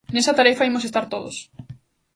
Nesa tarefa imos estar todos.